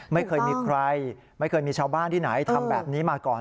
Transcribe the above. ไม่เคยมีใครไม่เคยมีชาวบ้านที่ไหนทำแบบนี้มาก่อน